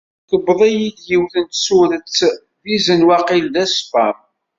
Tewweḍ-iyi-d yiwet n tsurett d izen, waqil d aspam.